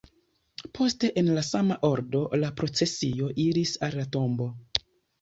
Poste en la sama ordo la procesio iris al la tombo.